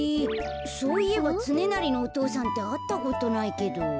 そういえばつねなりのお父さんってあったことないけど。